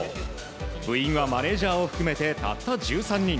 部員はマネジャーを含めてたった１３人。